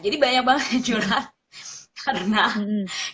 jadi banyak banget curhat